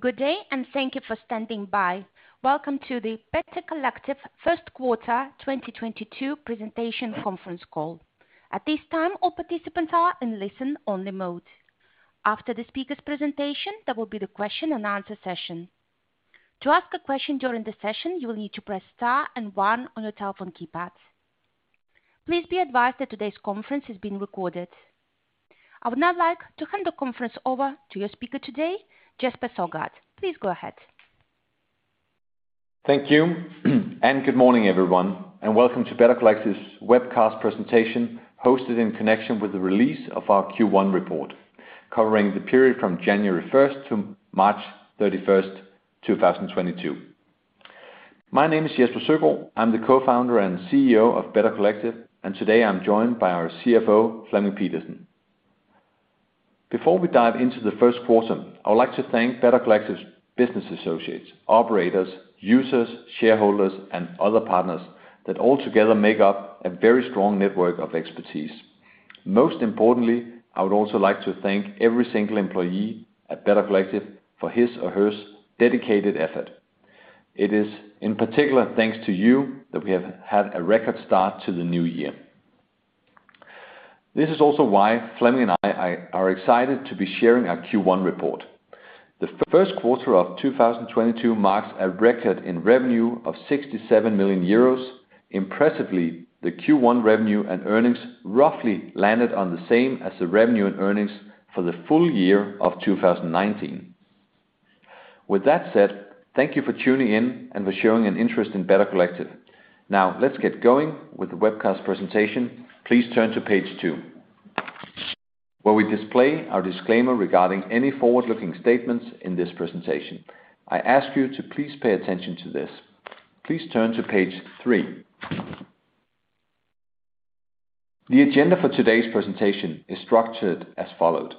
Good day, and thank you for standing by. Welcome to the Better Collective first quarter 2022 presentation conference call. At this time, all participants are in listen-only mode. After the speaker's presentation, there will be the question and answer session. To ask a question during the session, you will need to press star and one on your telephone keypads. Please be advised that today's conference is being recorded. I would now like to hand the conference over to your speaker today, Jesper Søgaard. Please go ahead. Thank you and good morning, everyone, and welcome to Better Collective's webcast presentation hosted in connection with the release of our Q1 report, covering the period from January 1 to March 31, 2022. My name is Jesper Søgaard. I'm the Co-Founder and CEO of Better Collective, and today I'm joined by our CFO, Flemming Pedersen. Before we dive into the first quarter, I would like to thank Better Collective's business associates, operators, users, shareholders, and other partners that all together make up a very strong network of expertise. Most importantly, I would also like to thank every single employee at Better Collective for his or hers dedicated effort. It is in particular, thanks to you that we have had a record start to the new year. This is also why Flemming and I are excited to be sharing our Q1 report. The first quarter of 2022 marks a record in revenue of 67 million euros. Impressively, the Q1 revenue and earnings roughly landed on the same as the revenue and earnings for the full year of 2019. With that said, thank you for tuning in and for showing an interest in Better Collective. Now, let's get going with the webcast presentation. Please turn to page 2, where we display our disclaimer regarding any forward-looking statements in this presentation. I ask you to please pay attention to this. Please turn to page 3. The agenda for today's presentation is structured as follows.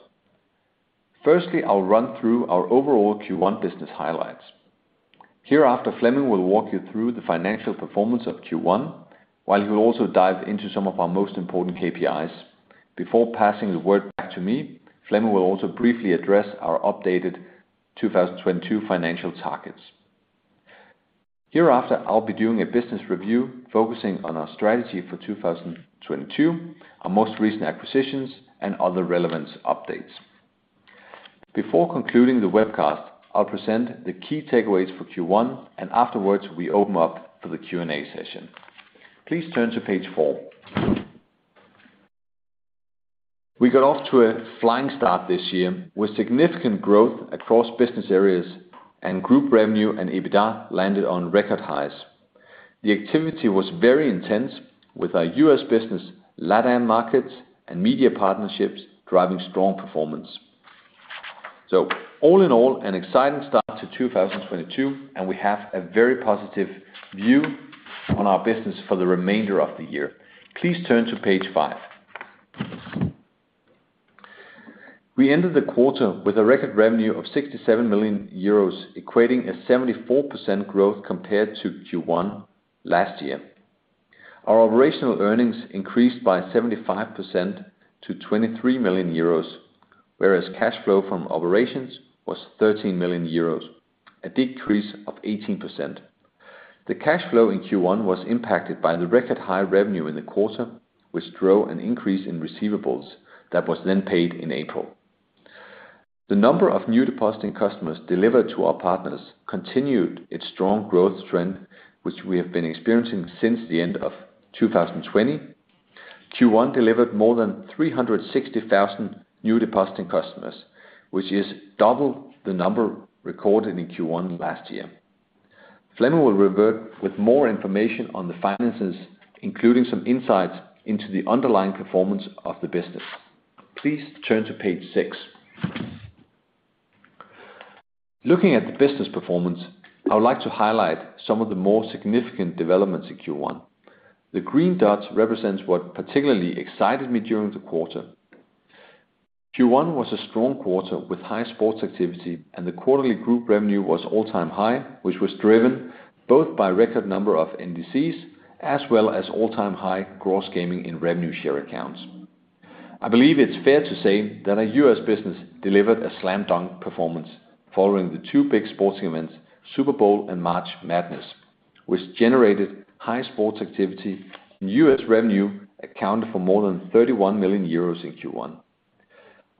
Firstly, I'll run through our overall Q1 business highlights. Hereafter, Flemming will walk you through the financial performance of Q1, while he will also dive into some of our most important KPIs. Before passing the word back to me, Flemming will also briefly address our updated 2022 financial targets. Hereafter, I'll be doing a business review, focusing on our strategy for 2022, our most recent acquisitions, and other relevant updates. Before concluding the webcast, I'll present the key takeaways for Q1, and afterwards, we open up for the Q&A session. Please turn to page 4. We got off to a flying start this year with significant growth across business areas and group revenue, and EBITDA landed on record highs. The activity was very intense with our U.S. business Latin markets and media partnerships driving strong performance. All in all, an exciting start to 2022, and we have a very positive view on our business for the remainder of the year. Please turn to page 5. We ended the quarter with a record revenue of 67 million euros, equating to a 74% growth compared to Q1 last year. Our operational earnings increased by 75% to 23 million euros, whereas cash flow from operations was 13 million euros, a decrease of 18%. The cash flow in Q1 was impacted by the record high revenue in the quarter, which drove an increase in receivables that was then paid in April. The number of new depositing customers delivered to our partners continued its strong growth trend, which we have been experiencing since the end of 2020. Q1 delivered more than 360,000 new depositing customers, which is double the number recorded in Q1 last year. Flemming will revert with more information on the finances, including some insights into the underlying performance of the business. Please turn to page 6. Looking at the business performance, I would like to highlight some of the more significant developments in Q1. The green dots represents what particularly excited me during the quarter. Q1 was a strong quarter with high sports activity, and the quarterly group revenue was all-time high, which was driven both by record number of NDCs as well as all-time high gross gaming revenue in revenue share accounts. I believe it's fair to say that our US business delivered a slam dunk performance following the two big sports events, Super Bowl and March Madness, which generated high sports activity, and US revenue accounted for more than 31 million euros in Q1.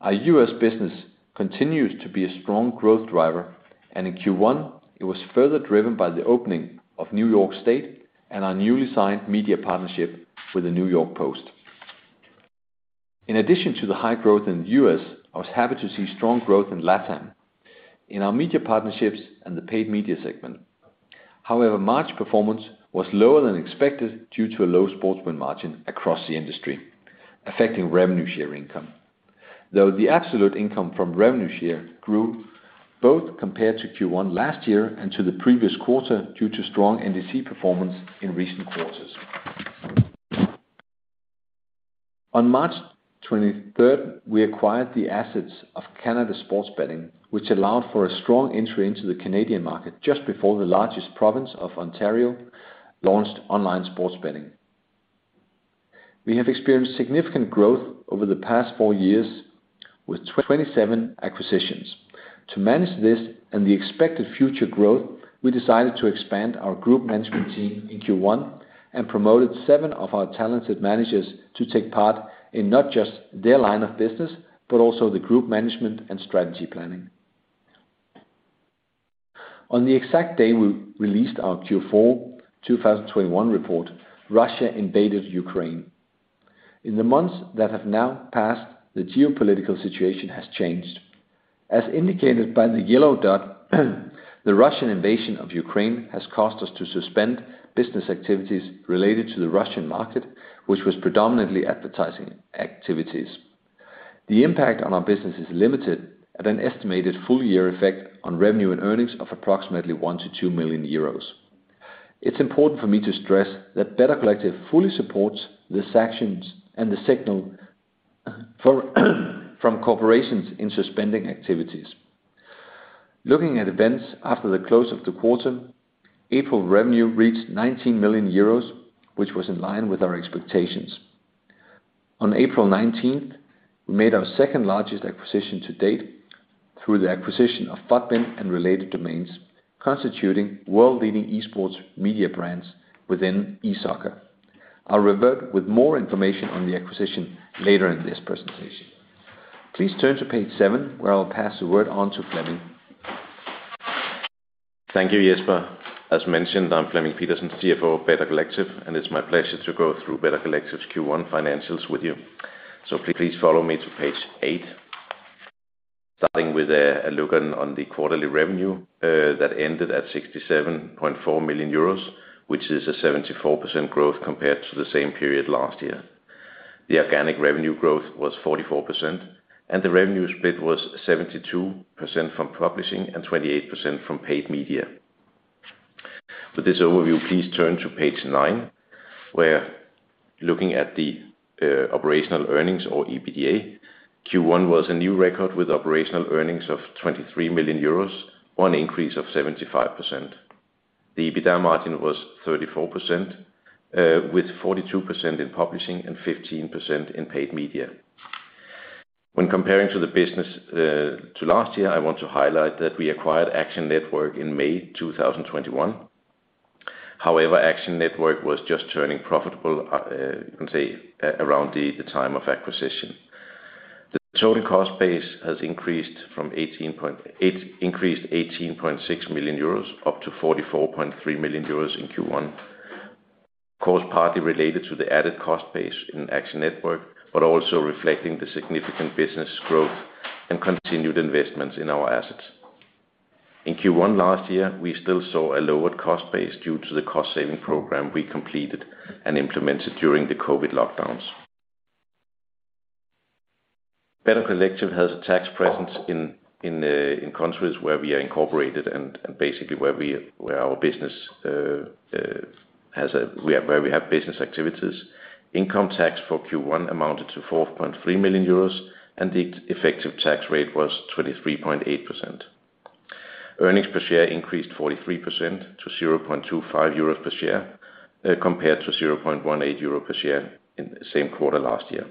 Our US business continues to be a strong growth driver, and in Q1 it was further driven by the opening of New York State and our newly signed media partnership with the New York Post. In addition to the high growth in the U.S., I was happy to see strong growth in Latin, in our media partnerships and the paid media segment. However, March performance was lower than expected due to a low sports win margin across the industry, affecting revenue share income. Though the absolute income from revenue share grew both compared to Q1 last year and to the previous quarter due to strong NDC performance in recent quarters. On March 23, we acquired the assets of Canada Sports Betting, which allowed for a strong entry into the Canadian market just before the largest province of Ontario launched online sports betting. We have experienced significant growth over the past four years with 27 acquisitions. To manage this and the expected future growth, we decided to expand our group management team in Q1 and promoted seven of our talented managers to take part in not just their line of business, but also the group management and strategy planning. On the exact day we released our Q4 2021 report, Russia invaded Ukraine. In the months that have now passed, the geopolitical situation has changed. As indicated by the yellow dot, the Russian invasion of Ukraine has caused us to suspend business activities related to the Russian market, which was predominantly advertising activities. The impact on our business is limited at an estimated full year effect on revenue and earnings of approximately 1 million-2 million euros. It's important for me to stress that Better Collective fully supports the sanctions and the signal from corporations in suspending activities. Looking at events after the close of the quarter, April revenue reached 19 million euros, which was in line with our expectations. On April 19, we made our second largest acquisition to date through the acquisition of FUTBIN and related domains constituting world-leading esports media brands within eSoccer. I'll revert with more information on the acquisition later in this presentation. Please turn to page 7, where I'll pass the word on to Flemming. Thank you, Jesper. As mentioned, I'm Flemming Pedersen, CFO of Better Collective, and it's my pleasure to go through Better Collective's Q1 financials with you. Please follow me to page 8. Starting with a look on the quarterly revenue that ended at 67.4 million euros, which is a 74% growth compared to the same period last year. The organic revenue growth was 44%, and the revenue split was 72% from publishing and 28% from paid media. For this overview, please turn to page 9, where we're looking at the operational earnings or EBITDA. Q1 was a new record with operational earnings of 23 million euros, an increase of 75%. The EBITDA margin was 34%, with 42% in publishing and 15% in paid media. When comparing to the business to last year, I want to highlight that we acquired Action Network in May 2021. However, Action Network was just turning profitable, you can say, around the time of acquisition. The total cost base has increased from 18.6 million euros up to 44.3 million euros in Q1. Cost partly related to the added cost base in Action Network, but also reflecting the significant business growth and continued investments in our assets. In Q1 last year, we still saw a lowered cost base due to the cost-saving program we completed and implemented during the COVID lockdowns. Better Collective has a tax presence in countries where we are incorporated and basically where our business has where we have business activities. Income tax for Q1 amounted to 4.3 million euros, and the effective tax rate was 23.8%. Earnings per share increased 43% to 0.25 euros per share, compared to 0.18 euros per share in the same quarter last year.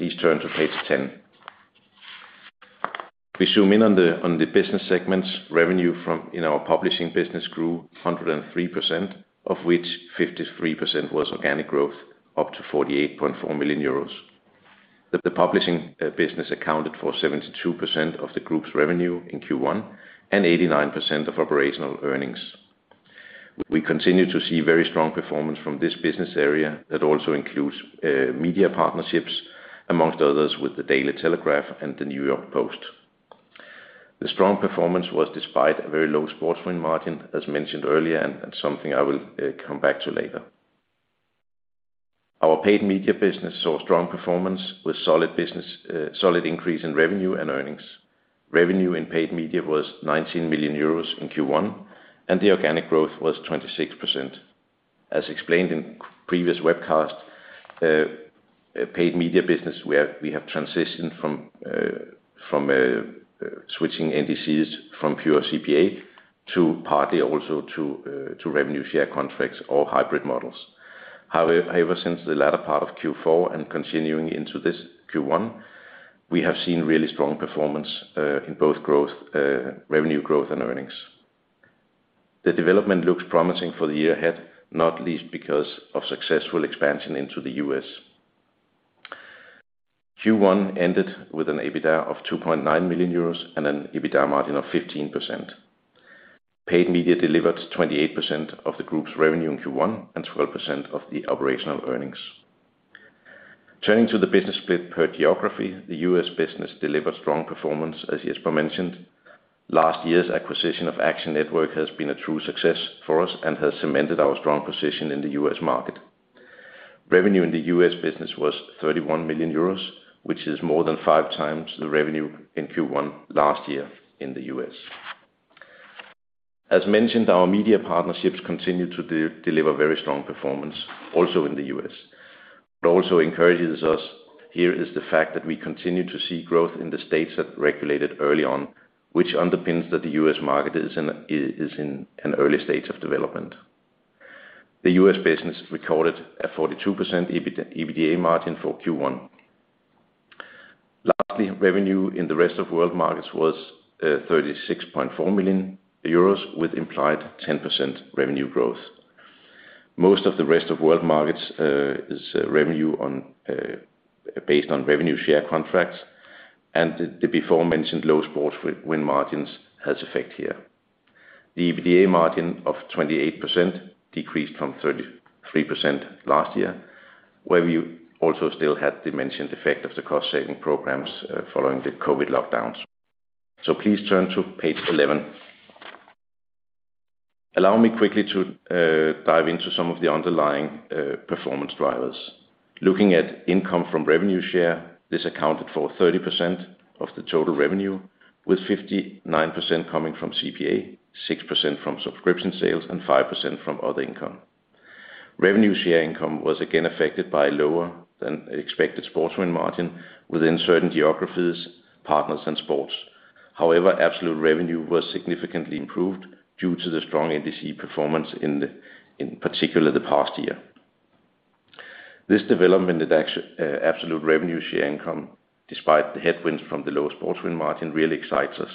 Please turn to page 10. We zoom in on the business segments. Revenue in our publishing business grew 103%, of which 53% was organic growth, up to 48.4 million euros. The publishing business accounted for 72% of the group's revenue in Q1 and 89% of operational earnings. We continue to see very strong performance from this business area that also includes media partnerships, among others, with the Daily Telegraph and the New York Post. The strong performance was despite a very low sports win margin, as mentioned earlier, and something I will come back to later. Our paid media business saw strong performance with solid increase in revenue and earnings. Revenue in paid media was 19 million euros in Q1, and the organic growth was 26%. As explained in previous webcast, paid media business, we have transitioned from switching NDCs from pure CPA to partly also to revenue share contracts or hybrid models. However, ever since the latter part of Q4 and continuing into this Q1, we have seen really strong performance in both growth, revenue growth and earnings. The development looks promising for the year ahead, not least because of successful expansion into the U.S. Q1 ended with an EBITDA of 2.9 million euros and an EBITDA margin of 15%. Paid media delivered 28% of the group's revenue in Q1 and 12% of the operational earnings. Turning to the business split per geography, the US business delivered strong performance, as Jesper Søgaard mentioned. Last year's acquisition of Action Network has been a true success for us and has cemented our strong position in the US market. Revenue in the US business was 31 million euros, which is more than 5x the revenue in Q1 last year in the U.S. As mentioned, our media partnerships continue to deliver very strong performance also in the U.S. What also encourages us here is the fact that we continue to see growth in the states that regulated early on, which underpins that the U.S. market is in an early stage of development. The U.S. business recorded a 42% EBITDA margin for Q1. Lastly, revenue in the rest-of-world markets was 36.4 million euros, with implied 10% revenue growth. Most of the rest-of-world markets' revenue is based on revenue share contracts, and the before-mentioned low sports win margins has effect here. The EBITDA margin of 28% decreased from 33% last year, where we also still had the mentioned effect of the cost-saving programs following the COVID lockdowns. Please turn to page 11. Allow me quickly to dive into some of the underlying performance drivers. Looking at income from revenue share, this accounted for 30% of the total revenue, with 59% coming from CPA, 6% from subscription sales, and 5% from other income. Revenue share income was again affected by lower than expected sports win margin within certain geographies, partners, and sports. However, absolute revenue was significantly improved due to the strong NDC performance, in particular the past year. This development of absolute revenue share income, despite the headwinds from the low sports win margin, really excites us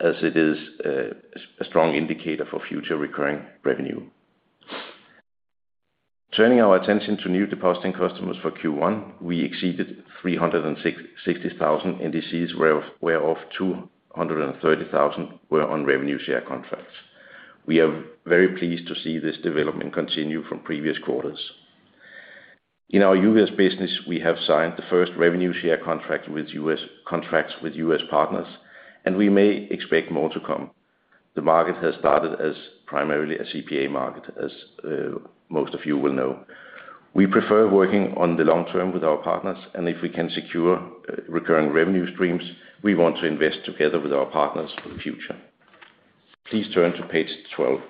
as it is a strong indicator for future recurring revenue. Turning our attention to new depositing customers for Q1, we exceeded 360,000 NDCs, whereof 230,000 were on revenue share contracts. We are very pleased to see this development continue from previous quarters. In our US business, we have signed the first revenue share contracts with US partners, and we may expect more to come. The market has started as primarily a CPA market, as most of you will know. We prefer working on the long term with our partners, and if we can secure recurring revenue streams, we want to invest together with our partners for the future. Please turn to page 12.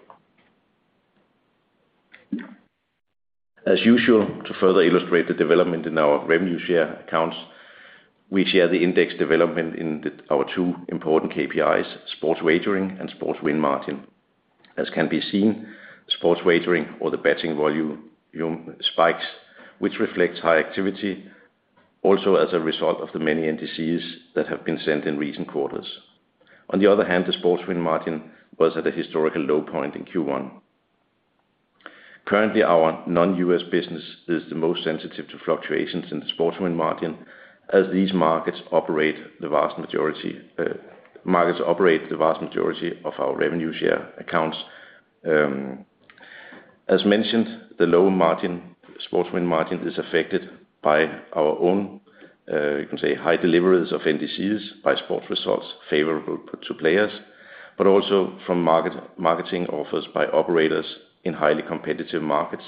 As usual, to further illustrate the development in our revenue share accounts, we share the index development in our two important KPIs, sports wagering and sports win margin. As can be seen, sports wagering or the betting volume spikes, which reflects high activity also as a result of the many NDCs that have been sent in recent quarters. On the other hand, the sports win margin was at a historical low point in Q1. Currently, our non-US business is the most sensitive to fluctuations in the sports win margin, as these markets operate the vast majority of our revenue share accounts. As mentioned, the low margin, sports win margin is affected by our own, you can say, high deliveries of NDCs by sports results favorable to players, but also from marketing offers by operators in highly competitive markets.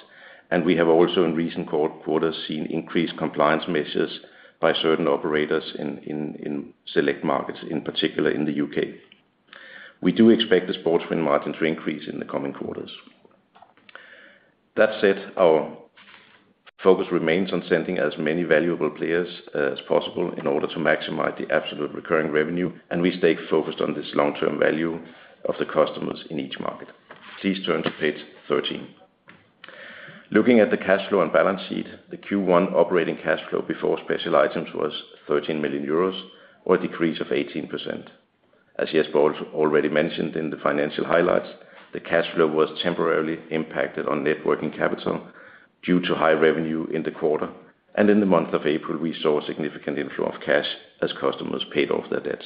We have also in recent quarters seen increased compliance measures by certain operators in select markets, in particular in the U.K. We do expect the sports win margin to increase in the coming quarters. That said, our focus remains on sending as many valuable players as possible in order to maximize the absolute recurring revenue, and we stay focused on this long-term value of the customers in each market. Please turn to page 13. Looking at the cash flow and balance sheet, the Q1 operating cash flow before special items was 13 million euros, or a decrease of 18%. As Jesper already mentioned in the financial highlights, the cash flow was temporarily impacted on net working capital due to high revenue in the quarter. In the month of April, we saw a significant inflow of cash as customers paid off their debts.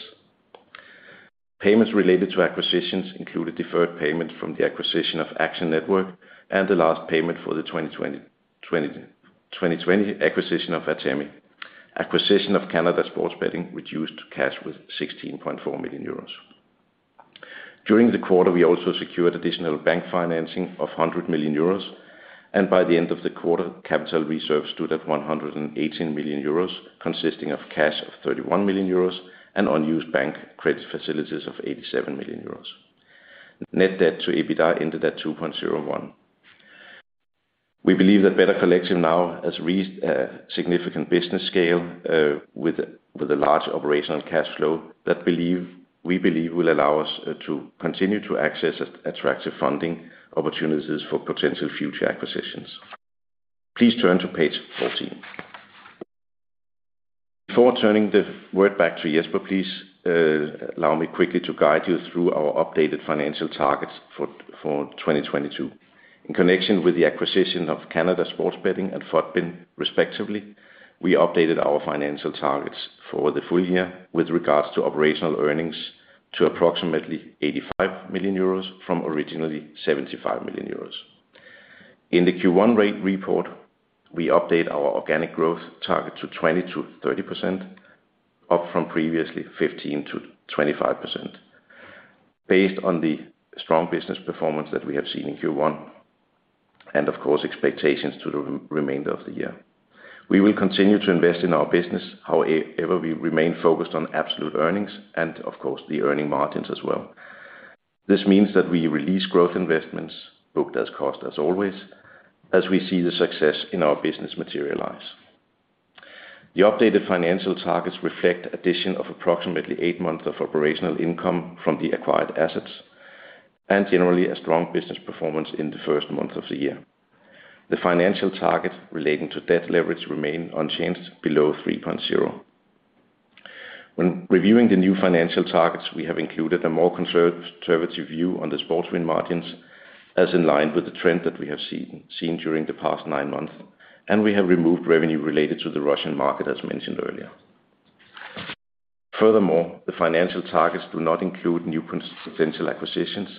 Payments related to acquisitions included deferred payment from the acquisition of Action Network and the last payment for the 2020 acquisition of Atemi. Acquisition of Canada Sports Betting reduced cash with 16.4 million euros. During the quarter, we also secured additional bank financing of 100 million euros, and by the end of the quarter, capital reserves stood at 118 million euros, consisting of cash of 31 million euros and unused bank credit facilities of 87 million euros. Net debt to EBITDA ended at 2.01. We believe that Better Collective now has reached a significant business scale, with a large operational cash flow that we believe will allow us to continue to access attractive funding opportunities for potential future acquisitions. Please turn to page 14. Before turning the word back to Jesper, please, allow me quickly to guide you through our updated financial targets for 2022. In connection with the acquisition of Canada Sports Betting and FUTBIN respectively, we updated our financial targets for the full year with regards to operational earnings to approximately 85 million euros from originally 75 million euros. In the Q1 interim report, we update our organic growth target to 20%-30%, up from previously 15%-25%. Based on the strong business performance that we have seen in Q1, and of course, expectations to the remainder of the year. We will continue to invest in our business. However, we remain focused on absolute earnings and of course the earnings margins as well. This means that we expense growth investments booked as costs as always, as we see the success in our business materialize. The updated financial targets reflect addition of approximately eight months of operational income from the acquired assets, and generally a strong business performance in the first month of the year. The financial target relating to debt leverage remains unchanged below 3.0. When reviewing the new financial targets, we have included a more conservative view on the sports win margins, in line with the trend that we have seen during the past nine months, and we have removed revenue related to the Russian market as mentioned earlier. Furthermore, the financial targets do not include new potential acquisitions.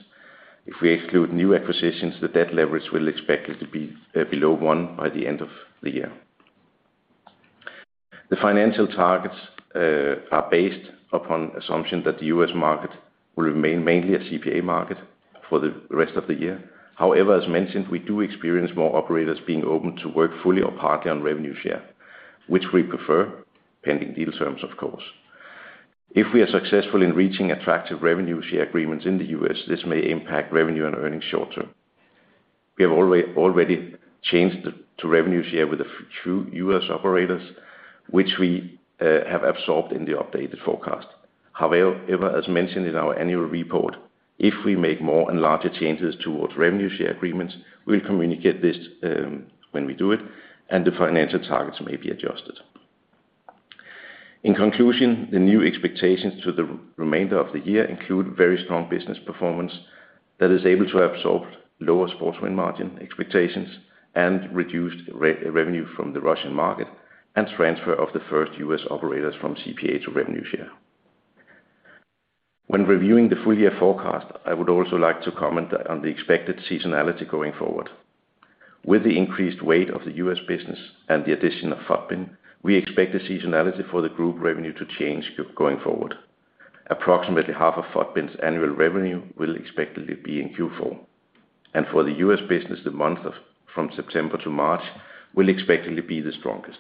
If we exclude new acquisitions, the debt leverage we'll expect it to be below one by the end of the year. The financial targets are based upon assumption that the US market will remain mainly a CPA market for the rest of the year. However, as mentioned, we do experience more operators being open to work fully or partly on revenue share, which we prefer pending deal terms of course. If we are successful in reaching attractive revenue share agreements in the U.S., this may impact revenue and earnings short-term. We have already changed to revenue share with a few U.S. operators, which we have absorbed in the updated forecast. However, as mentioned in our annual report, if we make more and larger changes towards revenue share agreements, we'll communicate this when we do it, and the financial targets may be adjusted. In conclusion, the new expectations to the remainder of the year include very strong business performance that is able to absorb lower sports win margin expectations and reduced revenue from the Russian market and transfer of the first U.S. operators from CPA to revenue share. When reviewing the full year forecast, I would also like to comment on the expected seasonality going forward. With the increased weight of the U.S. business and the addition of FUTBIN, we expect the seasonality for the group revenue to change going forward. Approximately half of FUTBIN's annual revenue will expectedly be in Q4. For the U.S. business, from September to March will expectedly be the strongest.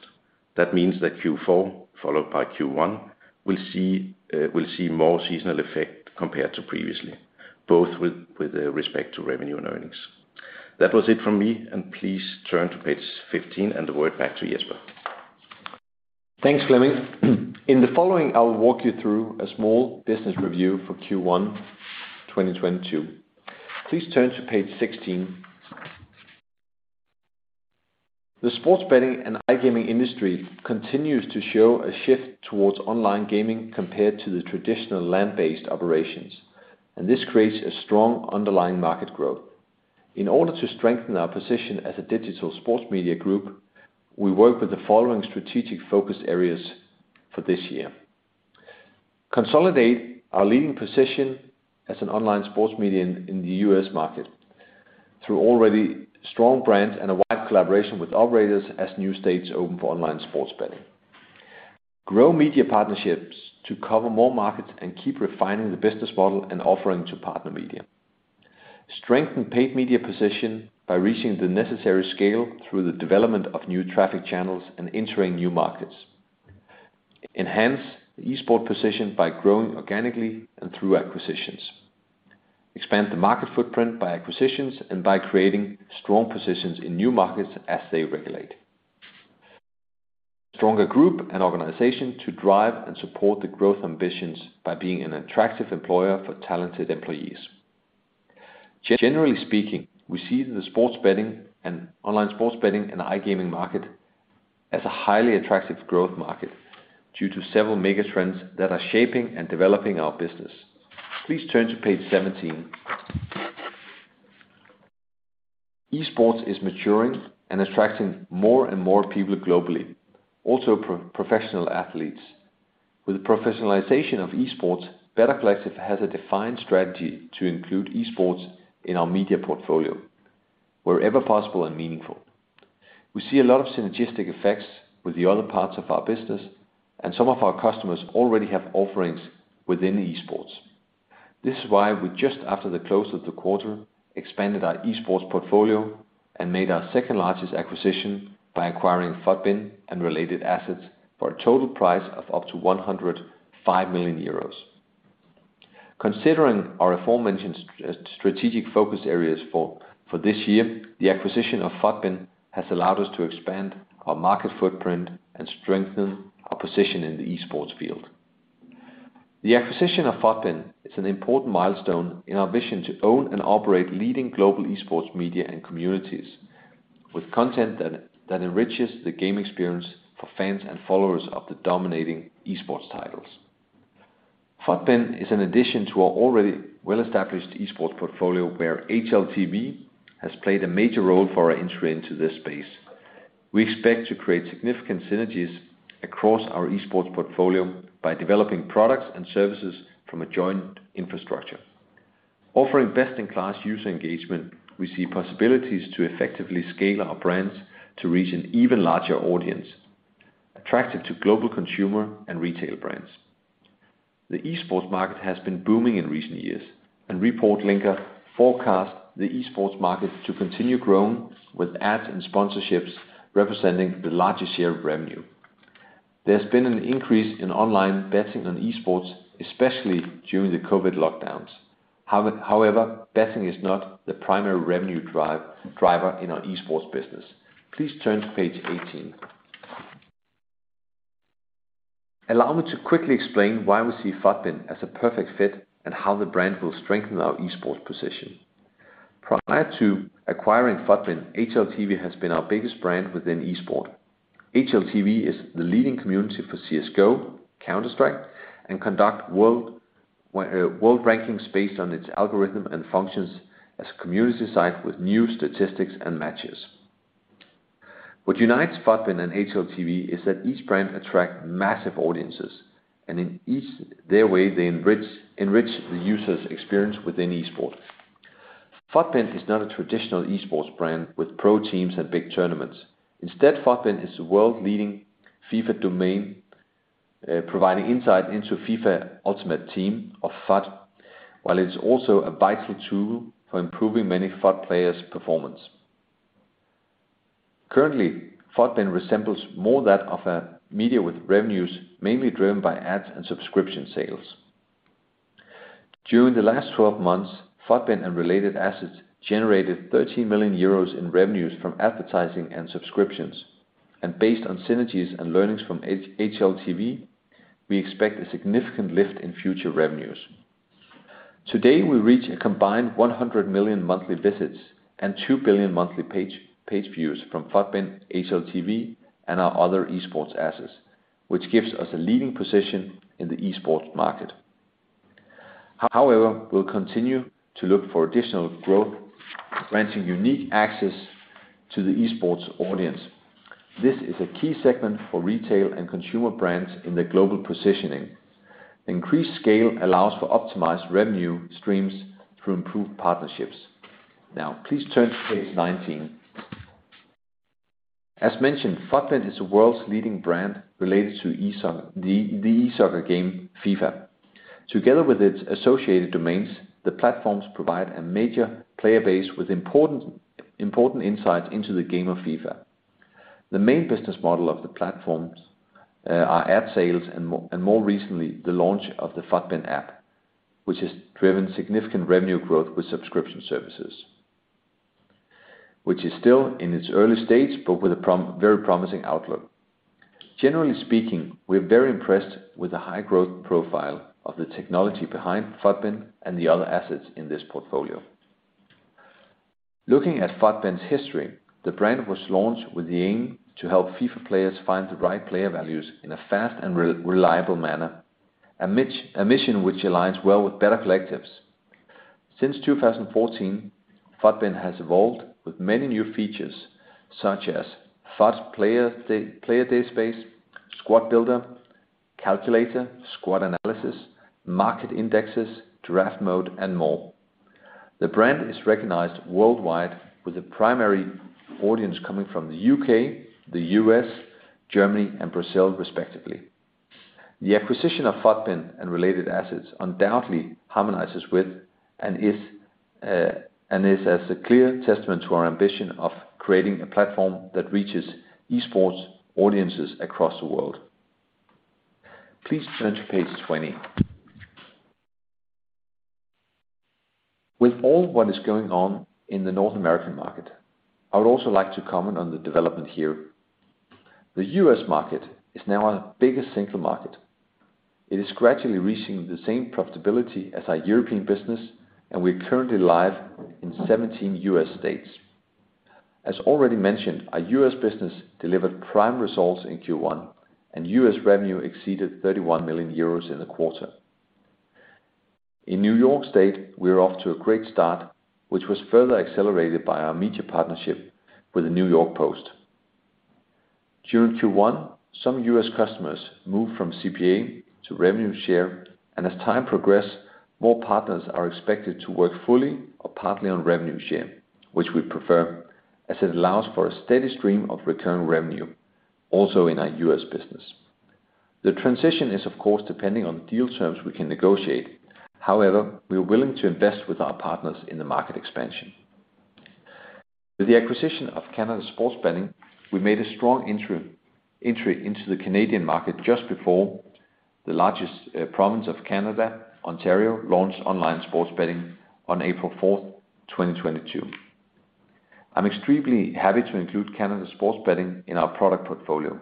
That means that Q4 followed by Q1 will see more seasonal effect compared to previously, both with respect to revenue and earnings. That was it from me, and please turn to page 15 and the word back to Jesper. Thanks, Flemming. In the following, I will walk you through a small business review for Q1 2022. Please turn to page 16. The sports betting and iGaming industry continues to show a shift towards online gaming compared to the traditional land-based operations, and this creates a strong underlying market growth. In order to strengthen our position as a digital sports media group, we work with the following strategic focus areas for this year. Consolidate our leading position as an online sports media in the U.S. market through already strong brands and a wide collaboration with operators as new states open for online sports betting. Grow media partnerships to cover more markets and keep refining the business model and offering to partner media. Strengthen paid media position by reaching the necessary scale through the development of new traffic channels and entering new markets. Enhance the esports position by growing organically and through acquisitions. Expand the market footprint by acquisitions and by creating strong positions in new markets as they regulate. Stronger group and organization to drive and support the growth ambitions by being an attractive employer for talented employees. Generally speaking, we see the sports betting and online sports betting and iGaming market as a highly attractive growth market due to several mega trends that are shaping and developing our business. Please turn to page 17. Esports is maturing and attracting more and more people globally, also professional athletes. With the professionalization of esports, Better Collective has a defined strategy to include esports in our media portfolio wherever possible and meaningful. We see a lot of synergistic effects with the other parts of our business, and some of our customers already have offerings within esports. This is why we just after the close of the quarter expanded our esports portfolio and made our second-largest acquisition by acquiring FUTBIN and related assets for a total price of up to 105 million euros. Considering our aforementioned strategic focus areas for this year, the acquisition of FUTBIN has allowed us to expand our market footprint and strengthen our position in the esports field. The acquisition of FUTBIN is an important milestone in our vision to own and operate leading global esports media and communities with content that enriches the game experience for fans and followers of the dominating esports titles. FUTBIN is an addition to our already well-established esports portfolio where HLTV has played a major role for our entry into this space. We expect to create significant synergies across our esports portfolio by developing products and services from a joint infrastructure. Offering best-in-class user engagement, we see possibilities to effectively scale our brands to reach an even larger audience, attractive to global consumer and retail brands. The esports market has been booming in recent years, and ReportLinker forecast the esports market to continue growing with ads and sponsorships representing the largest share of revenue. There's been an increase in online betting on esports, especially during the COVID lockdowns. However, betting is not the primary revenue driver in our esports business. Please turn to page 18. Allow me to quickly explain why we see FUTBIN as a perfect fit and how the brand will strengthen our esports position. Prior to acquiring FUTBIN, HLTV has been our biggest brand within esports. HLTV is the leading community for CS:GO, Counter-Strike, and conducts world rankings based on its algorithm and functions as a community site with new statistics and matches. What unites FUTBIN and HLTV is that each brand attract massive audiences, and in each their way, they enrich the user's experience within esports. FUTBIN is not a traditional esports brand with pro teams and big tournaments. Instead, FUTBIN is a world-leading FIFA domain, providing insight into FIFA Ultimate Team or FUT, while it's also a vital tool for improving many FUT players' performance. Currently, FUTBIN resembles more that of a media with revenues mainly driven by ads and subscription sales. During the last 12 months, FUTBIN and related assets generated 30 million euros in revenues from advertising and subscriptions, and based on synergies and learnings from HLTV, we expect a significant lift in future revenues. Today, we reach a combined 100 million monthly visits and 2 billion monthly page views from FUTBIN, HLTV, and our other esports assets, which gives us a leading position in the esports market. However, we'll continue to look for additional growth, granting unique access to the esports audience. This is a key segment for retail and consumer brands in their global positioning. Increased scale allows for optimized revenue streams through improved partnerships. Now, please turn to page 19. As mentioned, FUTBIN is the world's leading brand related to the eSoccer game, FIFA. Together with its associated domains, the platforms provide a major player base with important insights into the game of FIFA. The main business model of the platforms are ad sales and more recently, the launch of the FUTBIN app, which has driven significant revenue growth with subscription services, which is still in its early stage, but with a very promising outlook. Generally speaking, we're very impressed with the high growth profile of the technology behind FUTBIN and the other assets in this portfolio. Looking at FUTBIN's history, the brand was launched with the aim to help FIFA players find the right player values in a fast and reliable manner, a mission which aligns well with Better Collective's. Since 2014, FUTBIN has evolved with many new features, such as FUT's player data space, squad builder, calculator, squad analysis, market indexes, draft mode, and more. The brand is recognized worldwide with the primary audience coming from the U.K., the U.S., Germany, and Brazil respectively. The acquisition of FUTBIN and related assets undoubtedly harmonizes with and is a clear testament to our ambition of creating a platform that reaches esports audiences across the world. Please turn to page 20. With all what is going on in the North American market, I would also like to comment on the development here. The U.S. market is now our biggest single market. It is gradually reaching the same profitability as our European business, and we currently live in 17 U.S. states. As already mentioned, our U.S. business delivered prime results in Q1, and U.S. revenue exceeded 31 million euros in the quarter. In New York State, we're off to a great start, which was further accelerated by our media partnership with the New York Post. During Q1, some U.S. Customers moved from CPA to revenue share, and as time progressed, more partners are expected to work fully or partly on revenue share, which we prefer, as it allows for a steady stream of return revenue, also in our U.S. business. The transition is, of course, depending on deal terms we can negotiate. However, we're willing to invest with our partners in the market expansion. With the acquisition of Canada Sports Betting, we made a strong entry into the Canadian market just before the largest province of Canada, Ontario, launched online sports betting on April 4, 2022. I'm extremely happy to include Canada Sports Betting in our product portfolio,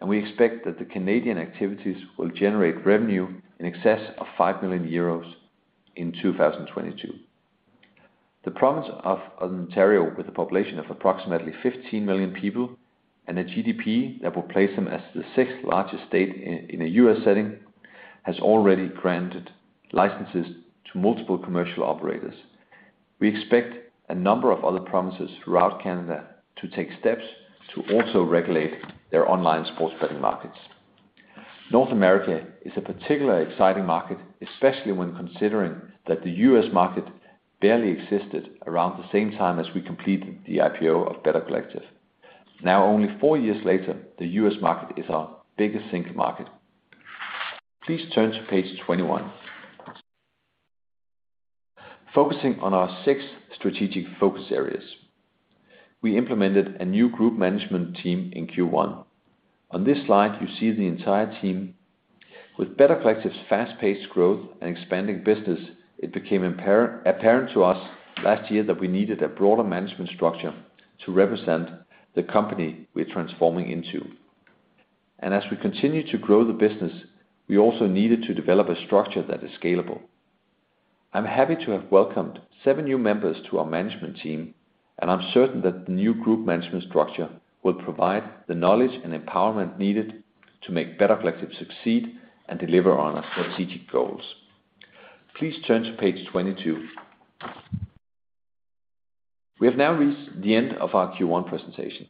and we expect that the Canadian activities will generate revenue in excess of 5 million euros in 2022. The province of Ontario, with a population of approximately 15 million people and a GDP that will place them as the sixth largest state in a U.S. setting, has already granted licenses to multiple commercial operators. We expect a number of other provinces throughout Canada to take steps to also regulate their online sports betting markets. North America is a particularly exciting market, especially when considering that the U.S. market barely existed around the same time as we completed the IPO of Better Collective. Now, only four years later, the U.S. market is our biggest single market. Please turn to page 21. Focusing on our six strategic focus areas. We implemented a new group management team in Q1. On this slide, you see the entire team. With Better Collective's fast-paced growth and expanding business, it became apparent to us last year that we needed a broader management structure to represent the company we're transforming into. As we continue to grow the business, we also needed to develop a structure that is scalable. I'm happy to have welcomed seven new members to our management team, and I'm certain that the new group management structure will provide the knowledge and empowerment needed to make Better Collective succeed and deliver on our strategic goals. Please turn to page 22. We have now reached the end of our Q1 presentation.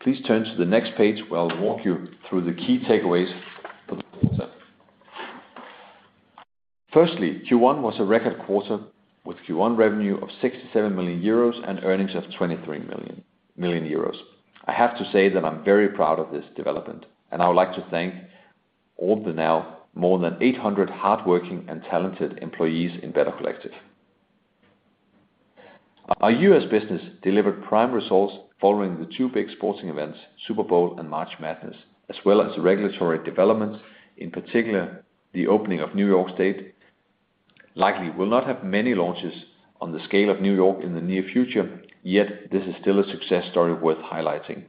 Please turn to the next page, where I'll walk you through the key takeaways for the quarter. Firstly, Q1 was a record quarter with Q1 revenue of 67 million euros and earnings of 23 million. I have to say that I'm very proud of this development, and I would like to thank all the now more than 800 hardworking and talented employees in Better Collective. Our US business delivered prime results following the two big sporting events, Super Bowl and March Madness, as well as the regulatory developments, in particular, the opening of New York State, likely will not have many launches on the scale of New York in the near future. Yet, this is still a success story worth highlighting.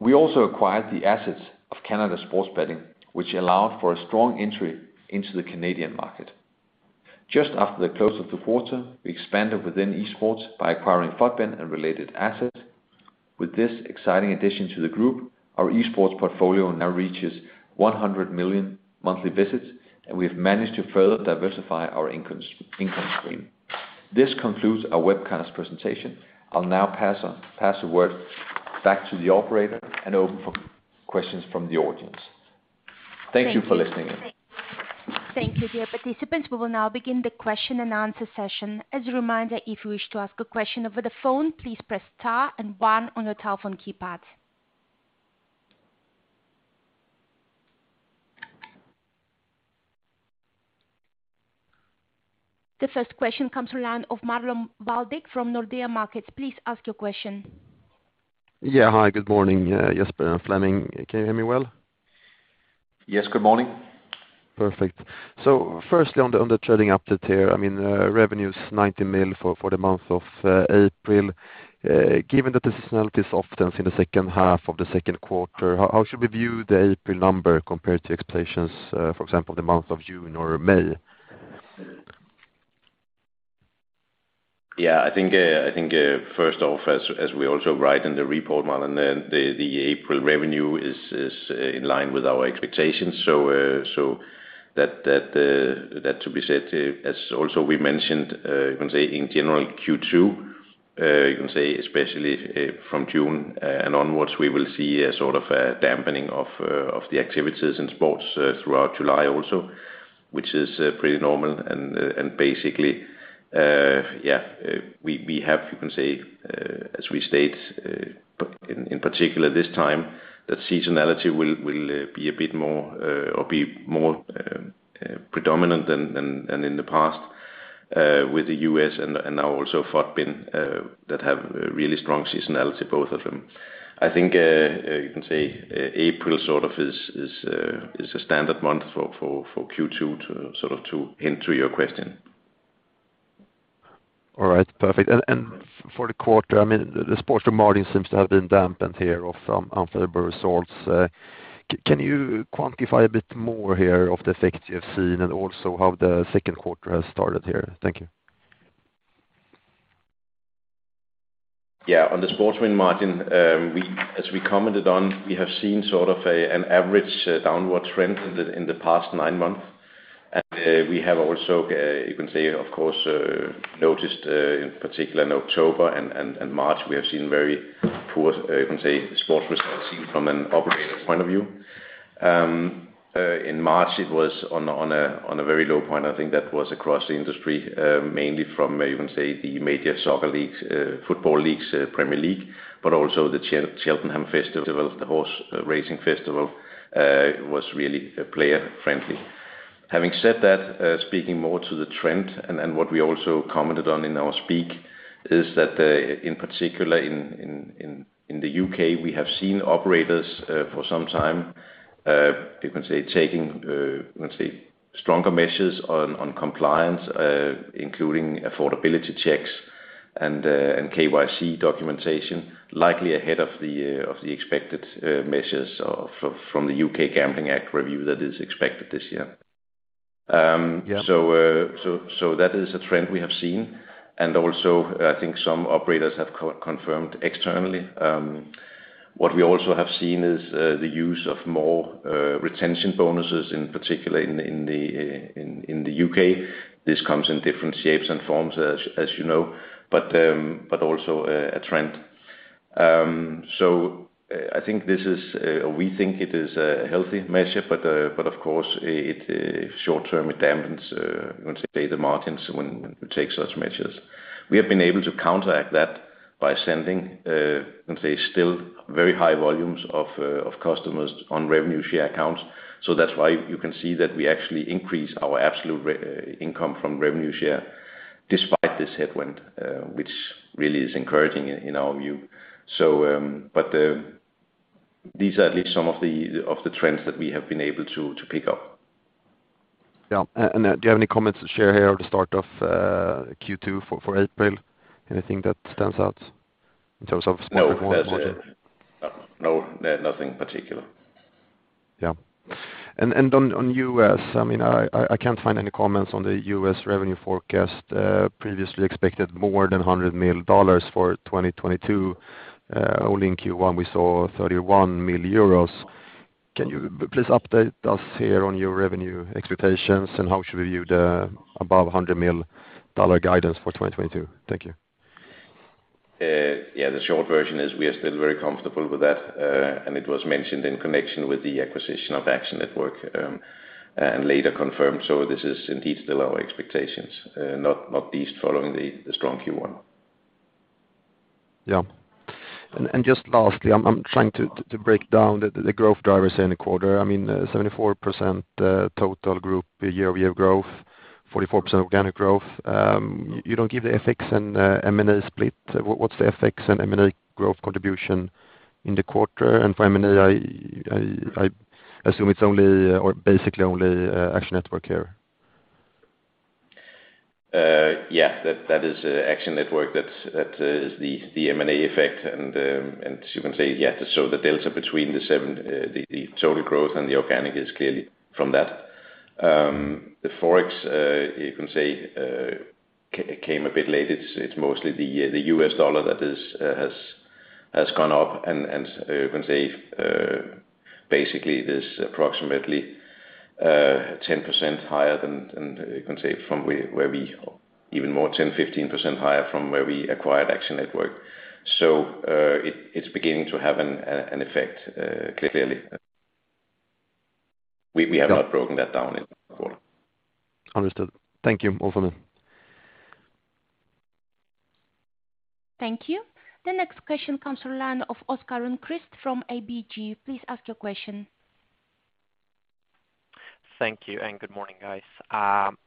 We also acquired the assets of Canada Sports Betting, which allowed for a strong entry into the Canadian market. Just after the close of the quarter, we expanded within esports by acquiring FUTBIN and related assets. With this exciting addition to the group, our esports portfolio now reaches 100 million monthly visits, and we have managed to further diversify our income stream. This concludes our webcast presentation. I'll now pass the word back to the operator and open for questions from the audience. Thank you for listening in. Thank you, dear participants. We will now begin the question and answer session. As a reminder, if you wish to ask a question over the phone, please press star and one on your telephone keypad. The first question comes from the line of Marlon Värnik from Nordea Markets. Please ask your question. Yeah. Hi, good morning, Jesper and Flemming. Can you hear me well? Yes, good morning. Perfect. Firstly, on the trading update here, I mean, revenue is 90 million for the month of April. Given that the seasonality is often in the second half of the second quarter, how should we view the April number compared to expectations, for example, the month of June or May? Yeah, I think first off, as we also write in the report, Marlon, the April revenue is in line with our expectations. That being said, as we also mentioned, you can say in general Q2, you can say especially from June and onwards, we will see a sort of a dampening of the activities in sports throughout July also, which is pretty normal and basically, we have, you can say, as we state, in particular this time, that seasonality will be a bit more or be more predominant than in the past, with the U.S. and now also FUTBIN, that have really strong seasonality, both of them. I think you can say April sort of is a standard month for Q2 to sort of hint to your question. All right, perfect. For the quarter, I mean, the sports margin seems to have been dampened by some unfavorable results. Can you quantify a bit more on the effect you have seen and also how the second quarter has started here? Thank you. Yeah. On the sports win margin, as we commented on, we have seen sort of an average downward trend in the past nine months. We have also, you can say, of course, noticed in particular in October and March, we have seen very poor, you can say, sports results seen from an operator point of view. In March, it was on a very low point. I think that was across the industry, mainly from you can say the major soccer leagues, football leagues, Premier League, but also the Cheltenham Festival, the horse racing festival, was really player-friendly. Having said that, speaking more to the trend and what we also commented on in our speech is that, in particular in the U.K., we have seen operators for some time taking stronger measures on compliance, including affordability checks and KYC documentation, likely ahead of the expected measures from the Gambling Act 2005 review that is expected this year. Yeah. That is a trend we have seen. I think some operators have confirmed externally. What we also have seen is the use of more retention bonuses, in particular in the U.K. This comes in different shapes and forms, as you know, but also a trend. I think this is, or we think it is a healthy measure, but of course, it short term dampens, you can say the margins when you take such measures. We have been able to counteract that by sending, let's say, still very high volumes of customers on revenue share accounts. That's why you can see that we actually increase our absolute income from revenue share despite this headwind, which really is encouraging in our view. These are at least some of the trends that we have been able to pick up. Yeah. Do you have any comments to share here at the start of Q2 for April? Anything that stands out in terms of specific- No. No, nothing particular. Yeah. On U.S., I mean, I can't find any comments on the U.S, revenue forecast. Previously expected more than $100 million for 2022. Only in Q1 we saw 31 million euros. Can you please update us here on your revenue expectations, and how should we view the above $100 million guidance for 2022? Thank you. Yeah, the short version is we are still very comfortable with that, and it was mentioned in connection with the acquisition of Action Network and later confirmed. This is indeed still our expectations, not least following the strong Q1. Yeah. Just lastly, I'm trying to break down the growth drivers in the quarter. I mean, 74% total group year-over-year growth, 44% organic growth. You don't give the FX and M&A split. What's the FX and M&A growth contribution in the quarter? For M&A, I assume it's only or basically only Action Network here. Yeah. That is Action Network. That's the M&A effect. You can say the delta between the total growth and the organic is clearly from that. The Forex came a bit late. It's mostly the US dollar that has gone up. You can say basically it is approximately 10% higher than you can say from where we. Even more, 10, 15% higher from where we acquired Action Network. It's beginning to have an effect clearly. We have not broken that down in the quarter. Understood. Thank you, Ole. Thank you. The next question comes from the line of Oscar Lindquist from ABG. Please ask your question. Thank you, and good morning, guys.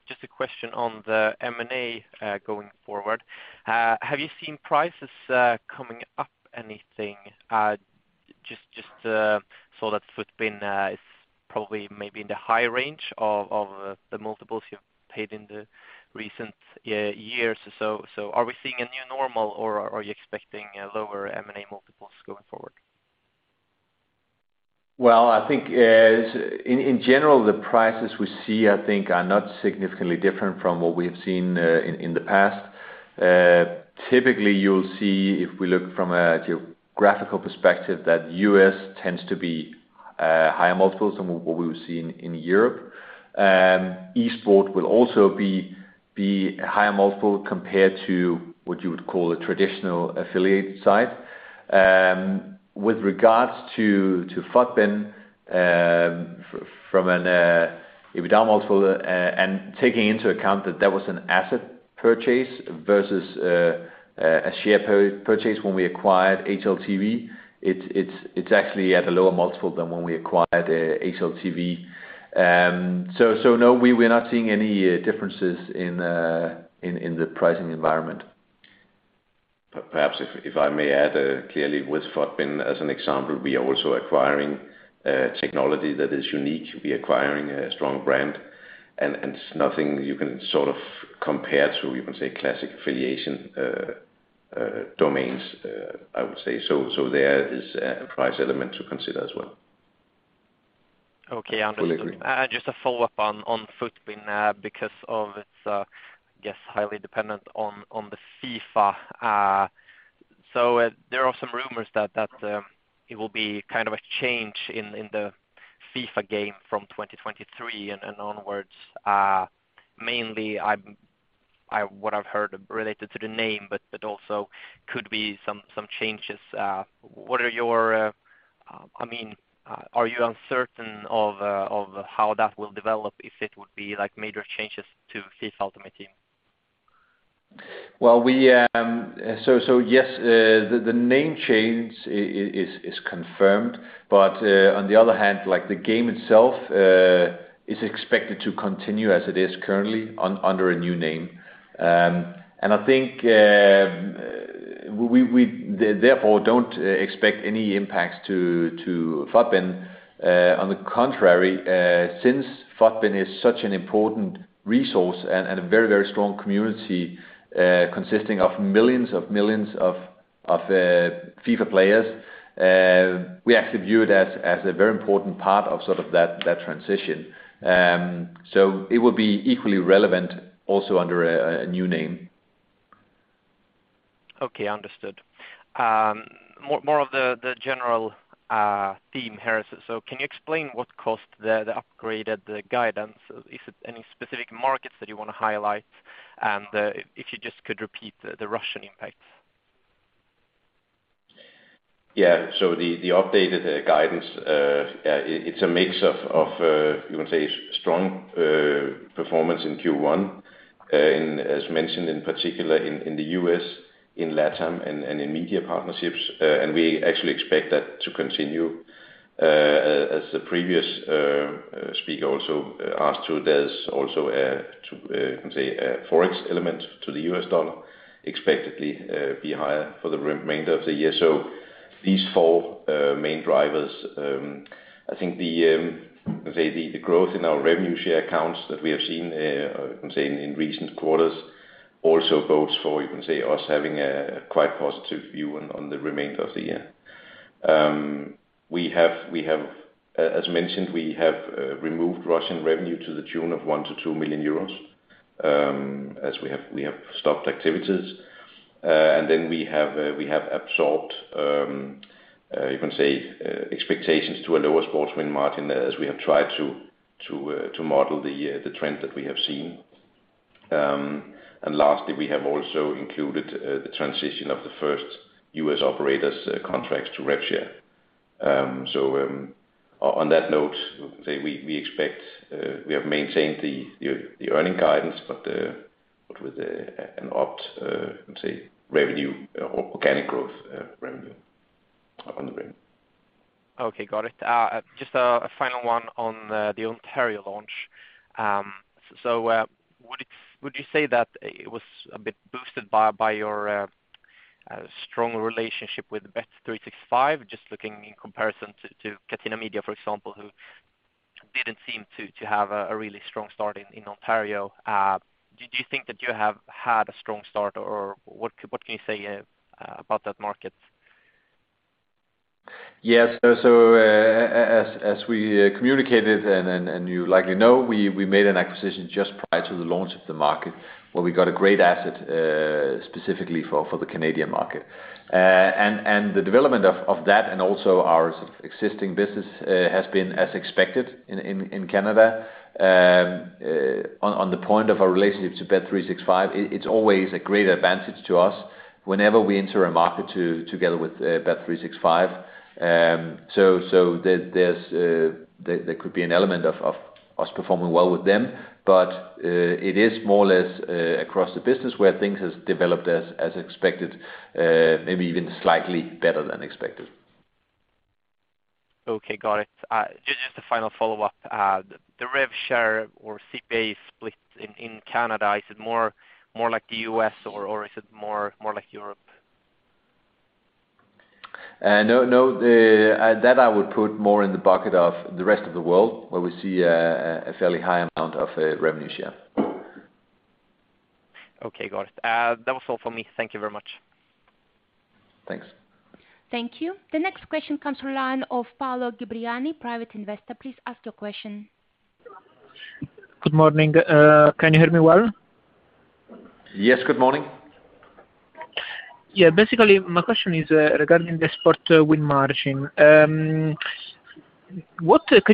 Just a question on the M&A going forward. Have you seen prices coming up anything? Just saw that FUTBIN is probably maybe in the high range of the multiples you've paid in the recent years. Are we seeing a new normal or are you expecting lower M&A multiples going forward? Well, I think, in general, the prices we see, I think, are not significantly different from what we have seen in the past. Typically you'll see, if we look from a geographical perspective, that U.S. tends to be higher multiples than what we've seen in Europe. Eastward will also be higher multiple compared to what you would call a traditional affiliate site. With regards to FUTBIN, from an EBITDA multiple, and taking into account that that was an asset purchase versus a share purchase when we acquired HLTV, it's actually at a lower multiple than when we acquired HLTV. No, we're not seeing any differences in the pricing environment. Perhaps if I may add, clearly with FUTBIN as an example, we are also acquiring technology that is unique. We're acquiring a strong brand and nothing you can sort of compare to, you can say, classic affiliation domains, I would say. There is a price element to consider as well. Okay. Understood. Fully agree. Just a follow-up on FUTBIN, because of its, I guess, highly dependent on the FIFA. So there are some rumors that it will be kind of a change in the FIFA game from 2023 and onwards. Mainly what I've heard related to the name, but also could be some changes. What are your, I mean, are you uncertain of how that will develop if it would be like major changes to FIFA Ultimate Team? Well, so yes, the name change is confirmed, but on the other hand, like the game itself is expected to continue as it is currently under a new name. I think we therefore don't expect any impacts to FUTBIN. On the contrary, since FUTBIN is such an important resource and a very strong community consisting of millions of FIFA players, we actually view it as a very important part of sort of that transition. It will be equally relevant also under a new name. Okay. Understood. More of the general theme here. Can you explain what caused the upgraded guidance? Is it any specific markets that you wanna highlight? If you just could repeat the Russian impact. The updated guidance, it's a mix of, you can say, strong performance in Q1. As mentioned, in particular in the U.S., in LatAM and in media partnerships. We actually expect that to continue. As the previous speaker also asked, too, there's also a, you can say, a Forex element to the U.S. dollar expected to be higher for the remainder of the year. These four main drivers, I think the growth in our revenue share accounts that we have seen, you can say, in recent quarters also bodes for, you can say, us having a quite positive view on the remainder of the year. As mentioned, we have removed Russian revenue to the tune of 1-2 million euros, as we have stopped activities. We have absorbed, you can say, expectations to a lower sports win margin as we have tried to model the trend that we have seen. Lastly, we have also included the transition of the first U.S. operators contracts to rev share. On that note, we expect we have maintained the earnings guidance, but with an upside, let's say revenue or organic growth, revenue on the revenue. Okay. Got it. Just a final one on the Ontario launch. Would you say that it was a bit boosted by your strong relationship with bet365? Just looking in comparison to Catena Media, for example, who didn't seem to have a really strong start in Ontario. Do you think that you have had a strong start or what can you say about that market? Yes. As we communicated and you likely know, we made an acquisition just prior to the launch of the market, where we got a great asset, specifically for the Canadian market. The development of that and also our existing business has been as expected in Canada. On the point of our relationship to bet365, it's always a great advantage to us whenever we enter a market together with bet365. There could be an element of us performing well with them. It is more or less across the business where things has developed as expected, maybe even slightly better than expected. Okay. Got it. Just a final follow-up. The rev share or CPA split in Canada, is it more like the U.S. or is it more like Europe? No, no. That I would put more in the bucket of the rest of the world, where we see a fairly high amount of revenue share. Okay. Got it. That was all for me. Thank you very much. Thanks. Thank you. The next question comes from the line of Paolo Gibriani, Private Investor. Please ask your question. Good morning. Can you hear me well? Yes. Good morning. Yeah. Basically, my question is regarding the sports win margin. Can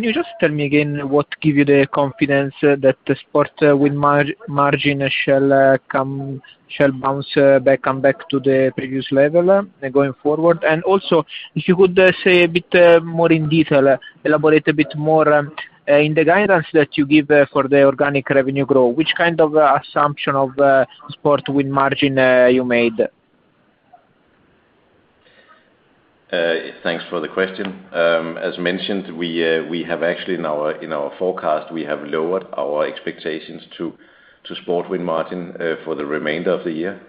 you just tell me again what give you the confidence that the sports win margin shall bounce back to the previous level going forward? Also, if you could say a bit more in detail, elaborate a bit more in the guidance that you give for the organic revenue growth. Which kind of assumption of sports win margin you made? Thanks for the question. As mentioned, we have actually in our forecast lowered our expectations to sports win margin for the remainder of the year.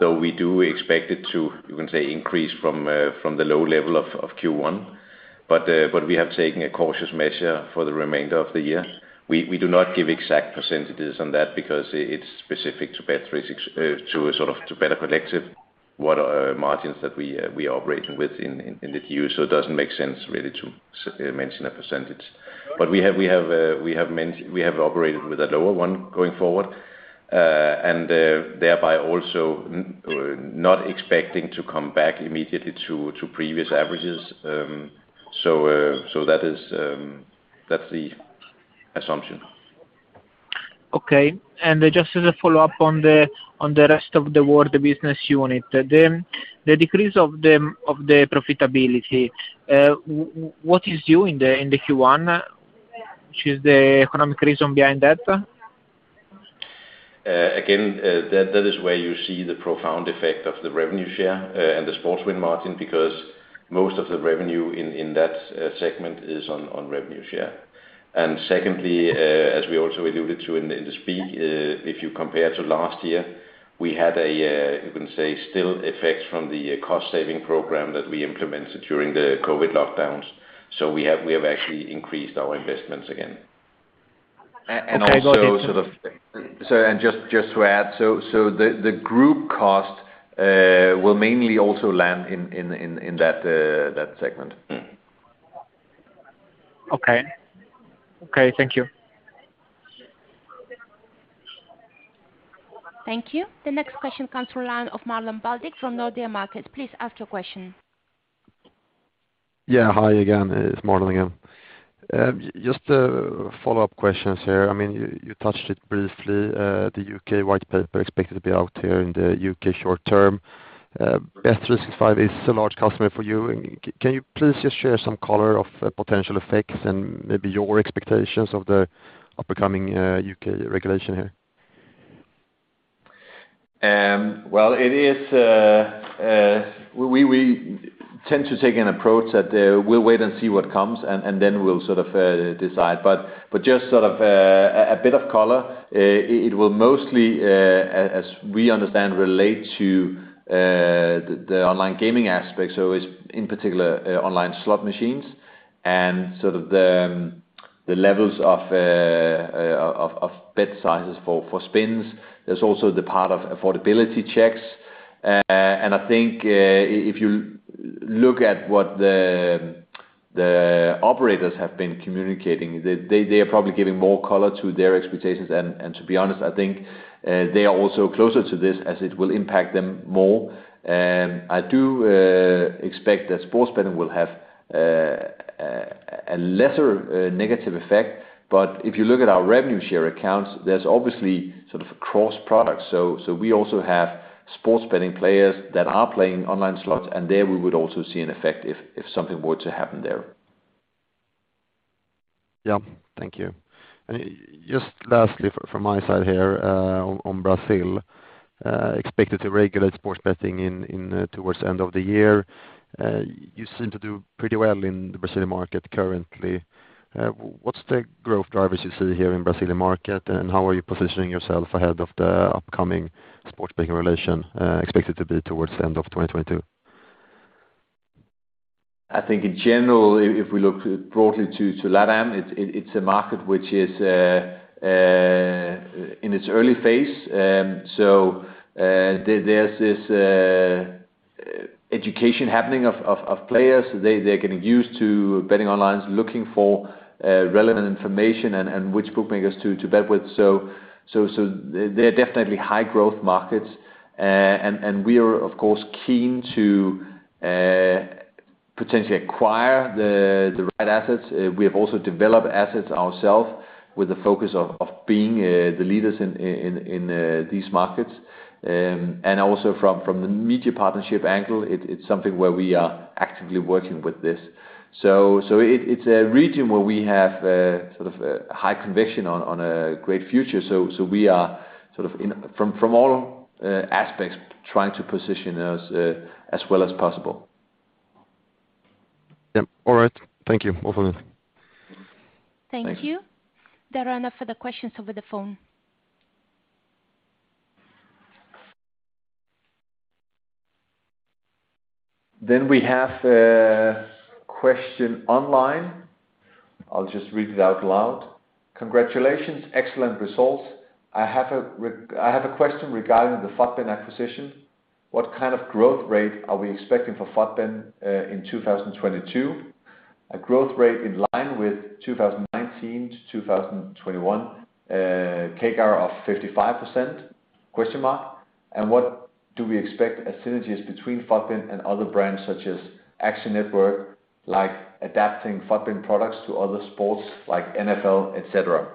Though we do expect it to, you can say, increase from the low level of Q1. We have taken a cautious measure for the remainder of the year. We do not give exact percentages on that because it's specific to bet365 to Better Collective, what margins that we are operating with in the Q. It doesn't make sense really to mention a percentage. We have operated with a lower one going forward, and thereby also not expecting to come back immediately to previous averages. That's the assumption. Okay. Just as a follow-up on the rest of the world business unit. The decrease in profitability, what is it due to in Q1? What is the economic reason behind that? Again, that is where you see the profound effect of the revenue share and the sports win margin, because most of the revenue in that segment is on revenue share. Secondly, as we also alluded to in the speech, if you compare to last year, we had, you can say, still effects from the cost-saving program that we implemented during the COVID lockdowns. We have actually increased our investments again. Okay. Got it. Just to add, so the group cost will mainly also land in that segment. Okay. Thank you. Thank you. The next question comes from the line of Marlon Värnik from Nordea Markets. Please ask your question. Yeah. Hi again. It's Marlon again. Just a follow-up questions here. I mean, you touched it briefly, the U.K., white paper expected to be out here in the U.K. short-term. bet365 is a large customer for you. Can you please just share some color of potential effects and maybe your expectations of the upcoming U.K.regulation here? Well, we tend to take an approach that we'll wait and see what comes, and then we'll sort of decide. Just sort of a bit of color, it will mostly, as we understand, relate to the online gaming aspect. It's in particular online slot machines and sort of the levels of bet sizes for spins. There's also the part of affordability checks. I think if you look at what the operators have been communicating, they are probably giving more color to their expectations. To be honest, I think they are also closer to this as it will impact them more. I do expect that sports betting will have a lesser negative effect. If you look at our revenue share accounts, there's obviously sort of a cross product. So we also have sports betting players that are playing online slots, and there we would also see an effect if something were to happen there. Yeah. Thank you. Just lastly from my side here, on Brazil, expected to regulate sports betting in towards the end of the year. You seem to do pretty well in the Brazilian market currently. What's the growth drivers you see here in Brazilian market, and how are you positioning yourself ahead of the upcoming sports betting regulation, expected to be towards the end of 2022? I think in general, if we look broadly to LatAM, it's a market which is in its early phase. There's this education happening of players. They're getting used to betting online, looking for relevant information and which bookmakers to bet with. They're definitely high growth markets. We are of course keen to potentially acquire the right assets. We have also developed assets ourselves with the focus of being the leaders in these markets. Also from the media partnership angle, it's something where we are actively working with this. It's a region where we have sort of a high conviction on a great future. We are sort of in... From all aspects, trying to position us as well as possible. Yeah. All right. Thank you. Over. Thank you. There are no further questions over the phone. We have a question online. I'll just read it out loud. Congratulations. Excellent results. I have a question regarding the FUTBIN acquisition. What kind of growth rate are we expecting for FUTBIN in 2022? A growth rate in line with 2019-2021 CAGR of 55%? And what do we expect as synergies between FUTBIN and other brands such as Action Network, like adapting FUTBIN products to other sports like NFL, et cetera.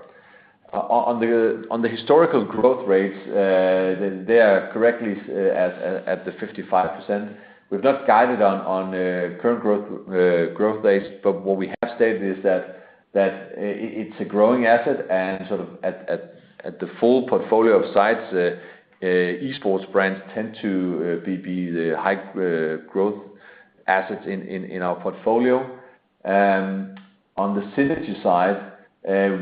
On the historical growth rates, they are correctly as at the 55%. We've not guided on current growth rates, but what we have stated is that it's a growing asset and sort of at the full portfolio of sites, esports brands tend to be the high growth assets in our portfolio. On the synergy side,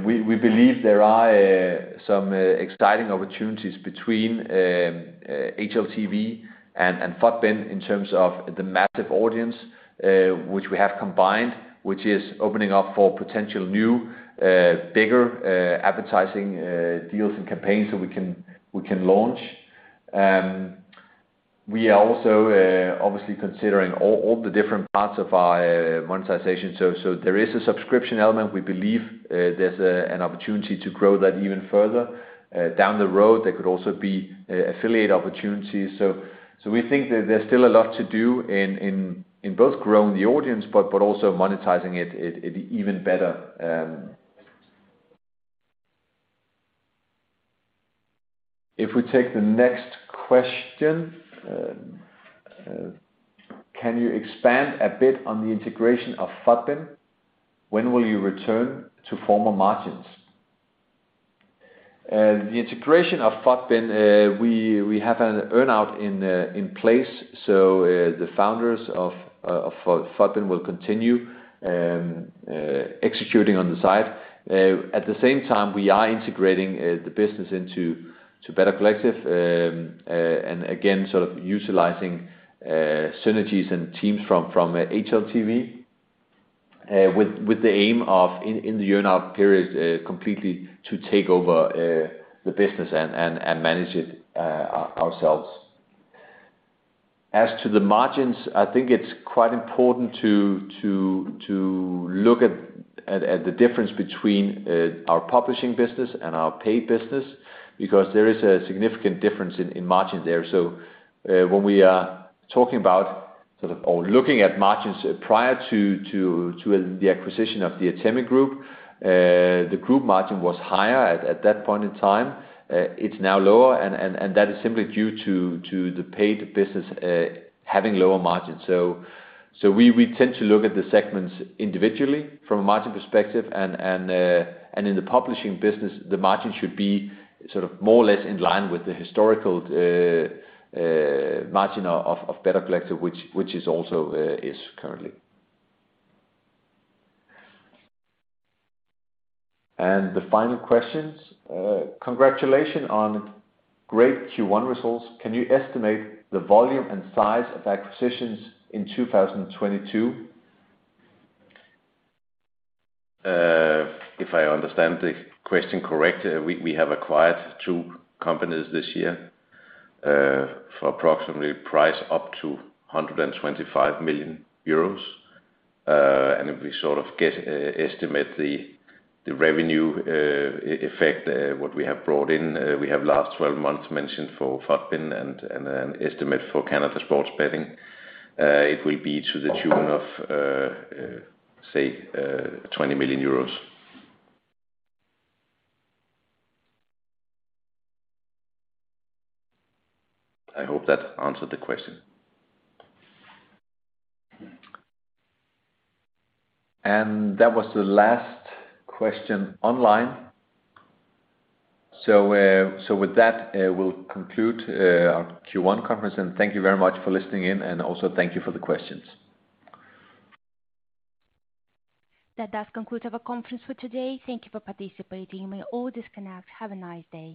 we believe there are some exciting opportunities between HLTV and FUTBIN in terms of the massive audience which we have combined, which is opening up for potential new bigger advertising deals and campaigns that we can launch. We are also obviously considering all the different parts of our monetization. There is a subscription element. We believe there's an opportunity to grow that even further. Down the road, there could also be affiliate opportunities. We think that there's still a lot to do in both growing the audience, but also monetizing it even better. If we take the next question, can you expand a bit on the integration of FUTBIN? When will you return to former margins? The integration of FUTBIN, we have an earn-out in place. The founders of FUTBIN will continue executing on the side. At the same time, we are integrating the business into Better Collective, and again, sort of utilizing synergies and teams from HLTV, with the aim of in the earn-out period, completely to take over the business and manage it ourselves. As to the margins, I think it's quite important to look at the difference between our publishing business and our paid business, because there is a significant difference in margin there. When we are talking about sort of or looking at margins prior to the acquisition of the Atemi Group, the group margin was higher at that point in time. It's now lower and that is simply due to the paid business having lower margins. We tend to look at the segments individually from a margin perspective and in the publishing business, the margin should be sort of more or less in line with the historical margin of Better Collective which is also currently. The final questions. Congratulations on great Q1 results. Can you estimate the volume and size of acquisitions in 2022? If I understand the question correctly, we have acquired two companies this year for approximately priced up to 125 million euros. If we sort of get to estimate the revenue effect what we have brought in, we have last twelve months mentioned for FUTBIN and an estimate for Canada Sports Betting, it will be to the tune of, say, EUR 20 million. I hope that answered the question. That was the last question online. With that, we'll conclude our Q1 conference, and thank you very much for listening in, and also thank you for the questions. That does conclude our conference for today. Thank you for participating. You may all disconnect. Have a nice day.